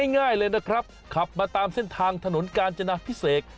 ง่ายเลยนะครับขับมาตามเส้นทางถนนกาญจนาพิเศษ